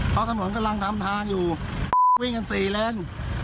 เพราะถนนกำลังทำทางอยู่วิ่งกัน๔เลน